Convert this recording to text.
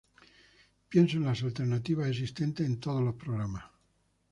Pienso en las alternativas existentes a todos los programas